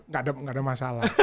enggak ada masalah